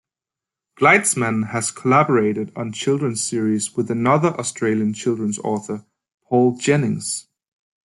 Gleitzman has collaborated on children's series with another Australian children's author, Paul Jennings.